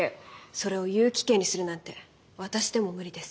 それを有期刑にするなんて私でも無理です。